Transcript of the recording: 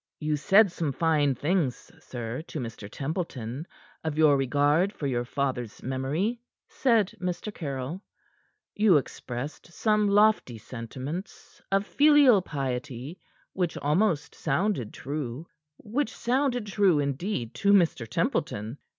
"You said some fine things, sir, to Mr. Templeton of your regard for your father's memory," said Mr. Caryll. "You expressed some lofty sentiments of filial piety, which almost sounded true which sounded true, indeed, to Mr. Templeton.